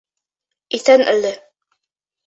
— Иҫән әле.